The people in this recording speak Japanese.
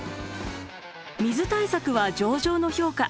水対策は上々の評価。